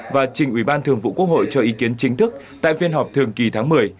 và trình ủy ban thường vụ quốc hội cho ý kiến chính thức tại phiên họp thường kỳ tháng một mươi